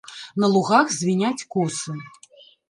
На лугах звіняць косы.